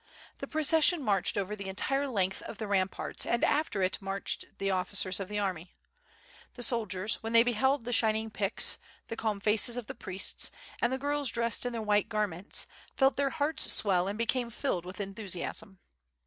The procession marched over the entire length of the ramparts and after it marched the oflicers of the army, l^ie soldiers, w^hen they beheld the shining pix, the calm faces of the priests and the girls dressed in their white garments, felt their hearts swell and became filled with enthusiasm.